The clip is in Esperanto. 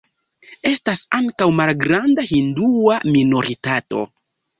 Estas ankaŭ malgranda hindua minoritato.